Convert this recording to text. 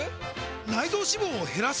内臓脂肪を減らす！？